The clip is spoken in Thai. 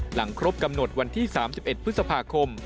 หลังครบกำหนดวันที่๓๑พฤษภาคม